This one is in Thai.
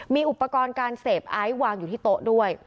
มีอุปกรณ์การเสพไอซ์วางอยู่ที่โต๊ะด้วย